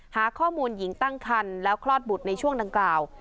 หาข้อมูลหญิงตั้งคันแล้วคลอดบุตรในช่วงดังกล่าว